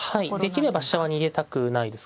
できれば飛車は逃げたくないですかね。